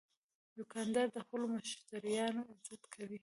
دوکاندار د خپلو مشتریانو عزت کوي.